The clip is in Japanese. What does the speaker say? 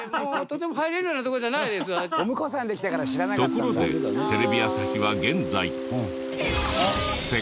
ところでテレビ朝日は現在。